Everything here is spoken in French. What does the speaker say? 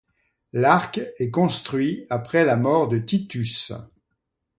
L’arc est construit après la mort de Titus.